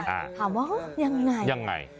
ถามว่ายังไง